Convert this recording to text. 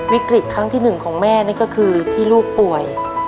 วิกฤตครั้งที่๑ของแม่นี่ก็คือที่ลูกป่วย